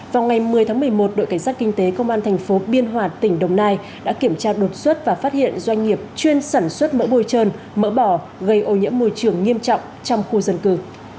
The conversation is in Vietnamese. vào ngày một mươi tháng một mươi một đội cảnh sát kinh tế công an thành phố biên hòa tỉnh đồng nai đã kiểm tra đột xuất và phát hiện doanh nghiệp chuyên sản xuất mỡ bôi trơn mỡ bỏ gây ô nhiễm môi trường nghiêm trọng trong khu dân cư